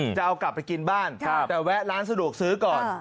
จะเอากลับไปกินบ้านแต่แวะร้านสะดวกซื้อก่อน